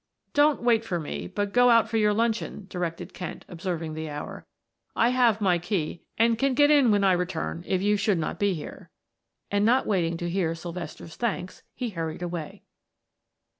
"Don't wait for me, but go out for your luncheon," directed Kent, observing the hour. "I have my key and can get in when I return if you should not be here," and not waiting to hear Sylvester's thanks, he hurried away.